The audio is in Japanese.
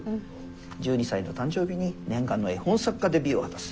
１２歳の誕生日に念願の絵本作家デビューを果たす」。